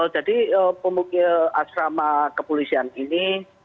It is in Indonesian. jadi pemukil asrama kepolisian ini